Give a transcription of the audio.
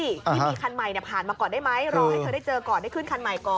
ที่มีคันใหม่ผ่านมาก่อนได้ไหมรอให้เธอได้เจอก่อนได้ขึ้นคันใหม่ก่อน